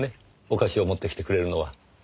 お菓子を持ってきてくれるのは。